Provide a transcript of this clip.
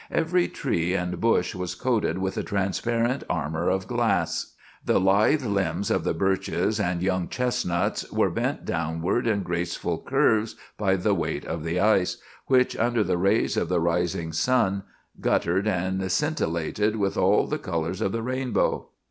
Every tree and bush was coated with a transparent armor of glass. The lithe limbs of the birches and young chestnuts were bent downward in graceful curves by the weight of the ice, which, under the rays of the rising sun, guttered and scintillated with all the colors of the rainbow.